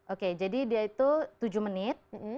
oke jadi dia itu tujuh menit